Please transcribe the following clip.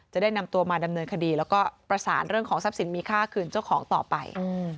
จะได้นำตัวมาดำเนินคดีแล้วก็ประสานเรื่องของทรัพย์สินมีค่าคืนเจ้าของต่อไป